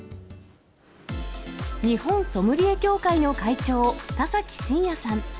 日本ソムリエ協会の会長、田崎真也さん。